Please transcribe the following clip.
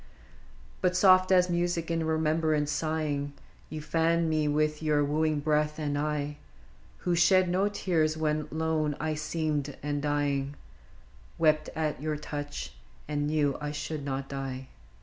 But soft as music in remembrance sighing, You fanned me with your wooing breath, and I, Who shed no tears when lone I seemed and dying, Wept at your touch, and knew I should not die.